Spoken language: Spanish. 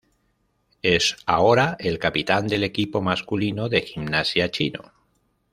Es ahora el capitán del equipo masculino de gimnasia chino